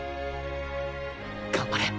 頑張れ！